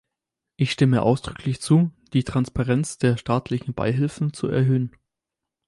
Ich stimme ausdrücklich zu, die Transparenz der staatlichen Beihilfen zu erhöhen.